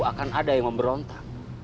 akan ada yang memberontak